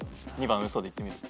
２番ウソでいってみる？